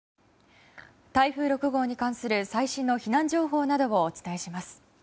台風６号に関する最新の避難情報などをお伝えします。